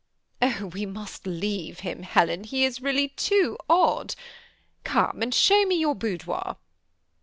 "Oh! we must leave him, Helen, he is really too odd. Come and show me your boudoir."